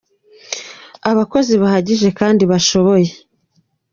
abakozi bahagije kandi bashoboye.